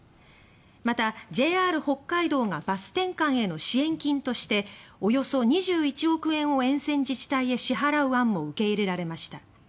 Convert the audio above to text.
またＪＲ北海道がバス転換への支援金としておよそ２１億円を沿線自治体へ支払う案も受け入れられました。